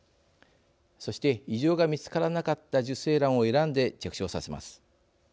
そして異常が見つからなかった受精卵を選んで着床させます。